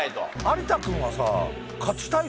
有田君はさ。